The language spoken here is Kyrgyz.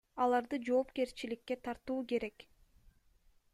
Аларды жоопкерчиликке тартуу керек.